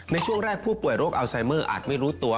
ในช่วงแรกผู้ป่วยโรคอัลไซเมอร์อาจไม่รู้ตัว